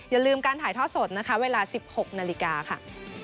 อย่าลืมการถ่ายทอดสดนะคะเวลา๑๖นาฬิกาค่ะ